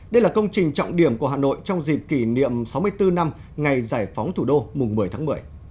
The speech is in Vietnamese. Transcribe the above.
đây là công trình trọng điểm của hà nội trong dịp kỷ niệm sáu mươi bốn năm ngày giải phóng thủ đô mùng một mươi tháng một mươi